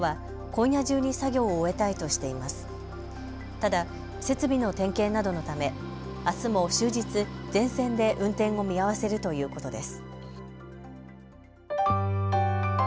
ただ、設備の点検などのためあすも終日、全線で運転を見合わせるということです。